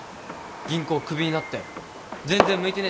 銀行首になって全然向いてねえ